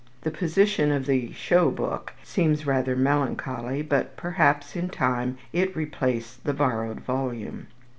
The position of the show book seems rather melancholy, but perhaps, in time, it replaced the borrowed volume.